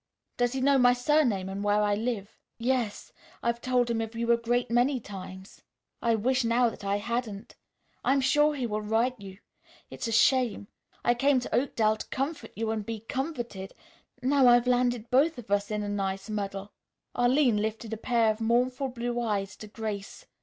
Does he know my surname and where I live?" "Yes; I've told him of you a great many times. I wish now that I hadn't. I am sure he will write you. It's a shame. I came to Oakdale to comfort you and be comforted. Now I've landed both of us in a nice muddle." Arline lifted a pair of mournful blue eyes to Grace.